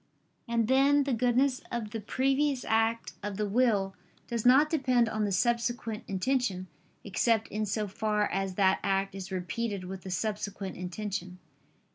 And then the goodness of the previous act of the will does not depend on the subsequent intention, except in so far as that act is repeated with the subsequent intention.